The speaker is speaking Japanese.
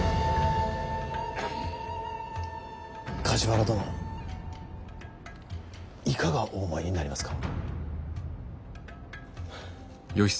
梶原殿いかがお思いになりますか。